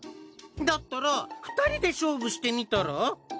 だったら２人で勝負してみたら？